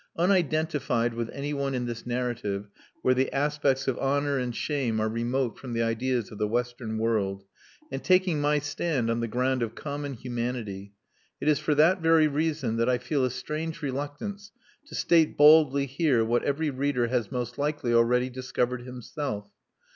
Unidentified with anyone in this narrative where the aspects of honour and shame are remote from the ideas of the Western world, and taking my stand on the ground of common humanity, it is for that very reason that I feel a strange reluctance to state baldly here what every reader has most likely already discovered himself.